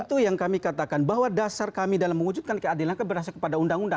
itu yang kami katakan bahwa dasar kami dalam mewujudkan keadilan kan berasal kepada undang undang